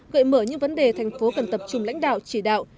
gợi mở những vấn đề thành phố cần tập trung lãnh đạo chỉ đạo